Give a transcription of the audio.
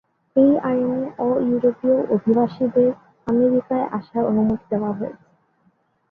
এই আইনে অ-ইউরোপীয় অভিবাসীদের আমেরিকায় আসার অনুমতি দেওয়া হয়েছে।